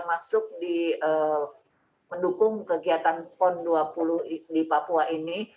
masuk di mendukung kegiatan pon dua puluh di papua ini